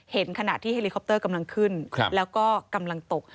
ขณะที่เฮลิคอปเตอร์กำลังขึ้นแล้วก็กำลังตก